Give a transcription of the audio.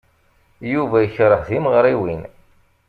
Yuba yekṛeh timeɣriwin.